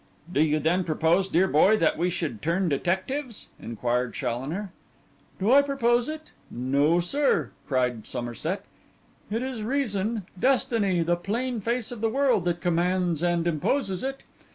'Do you then propose, dear boy, that we should turn detectives?' inquired Challoner. 'Do I propose it? No, sir,' cried Somerset. 'It is reason, destiny, the plain face of the world, that commands and imposes it.